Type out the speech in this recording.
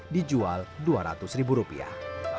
dijual dua ratus ribu rupiah